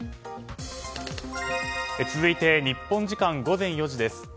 続いて日本時間午前４時です。